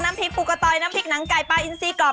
น้ำพริกภูกตอยน้ำพริกน้ำไก่ปลาอินซีกรอบ